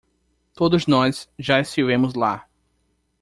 Todos nós já estivemos lá.